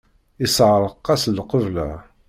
Yesseɛreq-as lqebla.